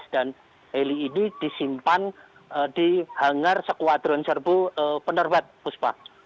dan heli ini disimpan di hangar sekuadron serbu penerbat bu sba